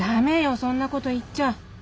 そんなこと言っちゃ。